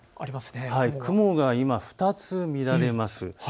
雲が今、２つ見られます。